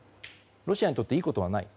ロシアにとっていいことはない。